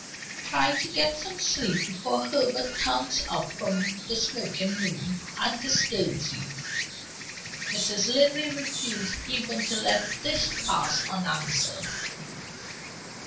Try to get some sleep before Herbert comes up from the smoking room and disturbs you." Mrs. Linley refused even to let this pass unanswered.